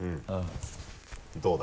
どうだ？